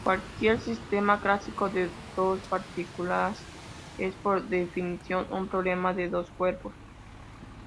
Cualquier sistema clásico de dos partículas es, por definición, un problema de dos cuerpos.